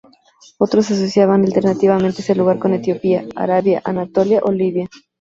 Otros asociaban alternativamente ese lugar con Etiopía, Arabia, Anatolia o Libia.